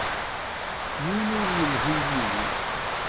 Yiwen ur d-yelhi yid-i.